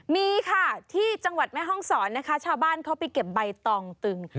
มีค่ะที่จังหวัดแม่ห้องศรนะคะชาวบ้านเขาไปเก็บใบตองตึง